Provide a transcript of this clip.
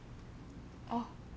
あっ。